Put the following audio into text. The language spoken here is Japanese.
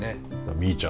みーちゃん